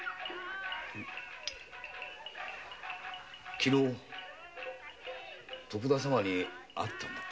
昨日徳田様に会ったそうだな。